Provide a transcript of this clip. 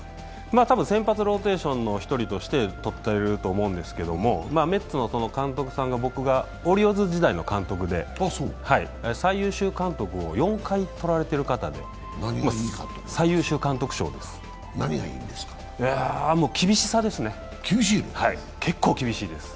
多分先発ローテーションの一人としてとっていると思うんですけれども、メッツの監督さんが、僕のオリオールズ時代の監督で最優秀監督を４回取られている方で厳しさがいいんですね。